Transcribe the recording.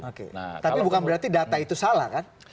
oke tapi bukan berarti data itu salah kan